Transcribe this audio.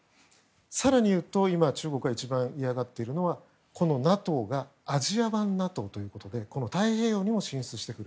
更に言うと、中国は今、一番嫌がっているのはこのＮＡＴＯがアジア版ＮＡＴＯということで太平洋にも進出してくる。